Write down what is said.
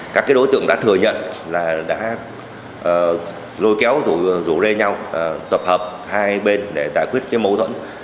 các đối tượng đã thừa nhận là đã lôi kéo rủ rê nhau tập hợp hai bên để giải quyết mâu thuẫn